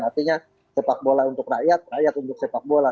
artinya sepak bola untuk rakyat rakyat untuk sepak bola